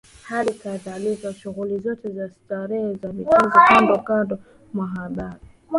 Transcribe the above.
Hali kadhalika shughuli zote za starehe na michezo kando kando mwa bahari